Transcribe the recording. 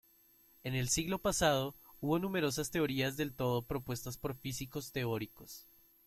En el siglo pasado, hubo numerosas teorías del todo propuestas por físicos teóricos.